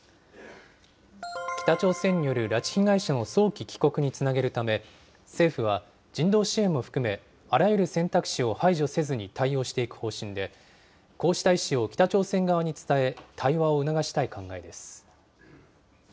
北朝鮮による拉致被害者の早期帰国につなげるため、政府は人道支援も含め、あらゆる選択肢を排除せずに対応していく方針で、こうした意思を北朝鮮側に伝え、対話を促したい考えです。